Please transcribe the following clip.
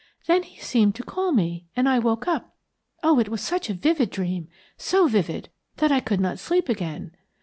Then he seemed to call me, and I woke up. Oh, it was such a vivid dream, so vivid, that I could not sleep again!